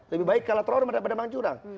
lebih baik kalah teror daripada menang curang